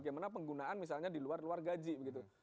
bagaimana penggunaan misalnya di luar luar gaji begitu